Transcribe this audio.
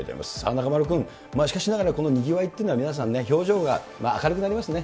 中丸君、しかしながら、このにぎわいというのは、皆さんね、表情が明るくなりますね。